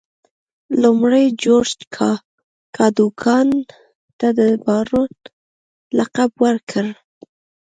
لومړي جورج کادوګان ته د بارون لقب ورکړ.